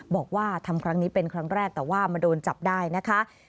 บอกว่าทำครั้งนี้เป็นครั้งแรกแต่ว่ามาโดนจับได้นะคะ